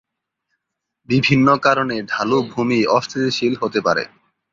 বিভিন্ন কারণে ঢালু ভূমি অস্থিতিশীল হতে পারে।